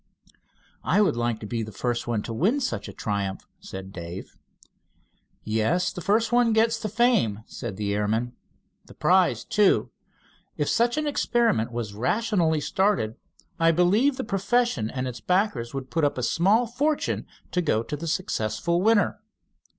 "I would like to be the first one to win such a triumph," said Dave. "Yes, the first one gets the fame," said the airman. "The prize, too. If such an experiment was rationally started I believe the profession and its backers would put up a small fortune to go to the successful winner.